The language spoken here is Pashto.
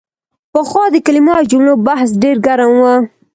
پخوا د کلمو او جملو بحث ډېر ګرم و.